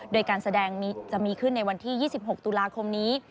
โดยการแสดงจะมีขึ้นในวันที่๒๖ตุลาคมนี้